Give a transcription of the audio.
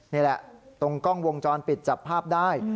นี่แหละตรงกล้องวงจรปิดจับภาพได้